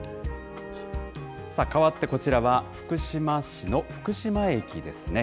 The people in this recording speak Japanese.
さあ、かわってこちらは福島市の福島駅ですね。